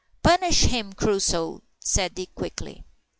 "Punish him, Crusoe," said Dick quickly.